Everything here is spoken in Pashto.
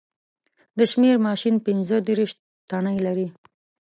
د شمېر ماشین پینځه دېرش تڼۍ لري